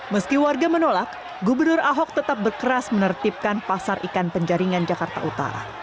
meski warga menolak gubernur ahok tetap berkeras menertibkan pasar ikan penjaringan jakarta utara